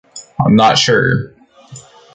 I'm not sure.